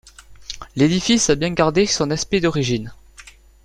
L'édifice a bien gardé son aspect d'origine.